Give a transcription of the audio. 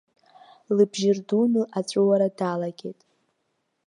Лыбжьы рдуны аҵәыуара далагеит.